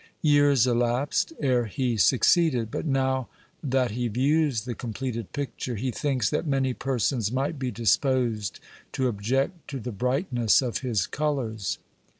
Years elapsed ere he succeeded; but now that he views the completed picture, he thinks that many persons might be disposed to object to the brightness of his colours.